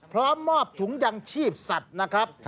พร้อมมอบถุงยังชีพสัตว์นะครับ